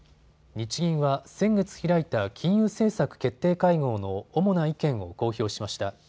日銀は先月開いた金融政策決定会合の主な意見を公表しました。